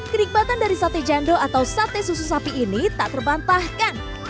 kenikmatan dari sate jando atau sate susu sapi ini tak terbantahkan